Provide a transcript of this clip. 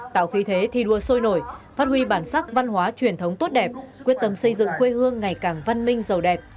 tạo khí thế thi đua sôi nổi phát huy bản sắc văn hóa truyền thống tốt đẹp quyết tâm xây dựng quê hương ngày càng văn minh giàu đẹp